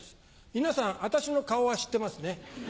皆さん私の顔は知ってますね？